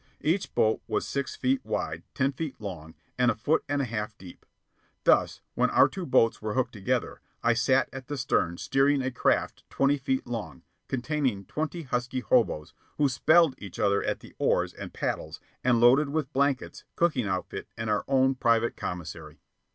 Each boat was six feet wide, ten feet long, and a foot and a half deep. Thus, when our two boats were hooked together, I sat at the stern steering a craft twenty feet long, containing twenty husky hoboes who "spelled" each other at the oars and paddles, and loaded with blankets, cooking outfit, and our own private commissary.